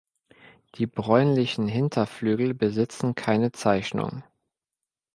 Die bräunlichen Hinterflügel besitzen keine Zeichnung.